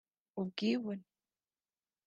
ubwibone